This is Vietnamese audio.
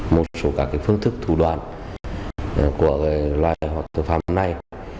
một số các phương thức thủ đoàn của loài hộp thực phẩm này